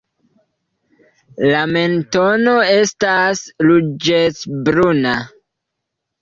La mentono estas ruĝecbruna.